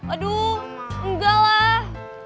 aduh enggak lah